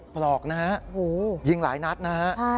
ปลอกนะฮะยิงหลายนัดนะฮะ